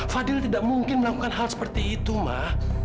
fadil tidak mungkin melakukan hal seperti itu mah